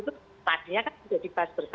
tadinya kan bisa dibahas bersama